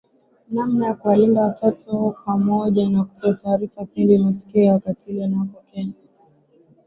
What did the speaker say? namna ya kuwalinda watoto pamoja na kutoa taarifa pindi matukio ya ukatili yanapotokea